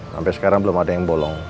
sampai sekarang belum ada yang bolong